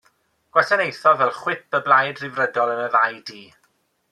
Gwasanaethodd fel Chwip y Blaid Ryddfrydol yn y ddau dŷ.